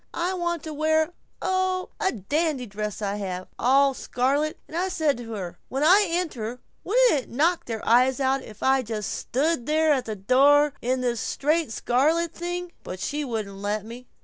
I want to wear, oh, a dandy dress I have all scarlet and I said to her, 'When I enter wouldn't it knock their eyes out if I just stood there at the door in this straight scarlet thing?' But she wouldn't let me."